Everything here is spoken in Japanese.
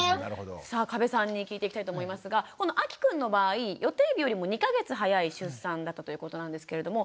さあ加部さんに聞いていきたいと思いますがこのあきくんの場合予定日よりも２か月早い出産だったということなんですけれども